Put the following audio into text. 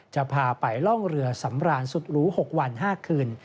จะพาไปล่องเรือสำราญสุดหรู๖วัน๕คืน